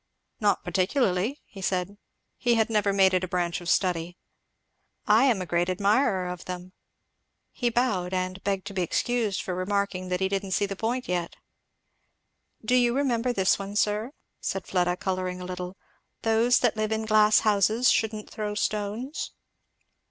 "Not particularly," he said, "he had never made it a branch of study." "I am a great admirer of them." He bowed, and begged to be excused for remarking that he didn't see the point yet. "Do you remember this one, sir," said Fleda colouring a little, "'Those that live in glass houses shouldn't throw stones?'"